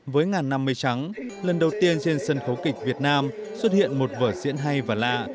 với ngàn năm mây trắng lần đầu tiên trên sân khấu kịch việt nam xuất hiện một vở diễn hay và lạ